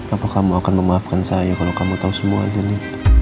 apa kamu akan memaafkan saya kalau kamu tahu semua ini